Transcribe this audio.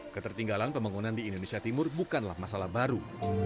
ketertinggalan pembangunan di indonesia timur bukanlah masalah baru